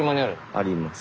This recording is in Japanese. あります。